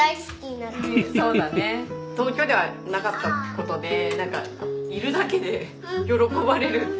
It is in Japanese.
東京ではなかった事でなんかいるだけで喜ばれるって。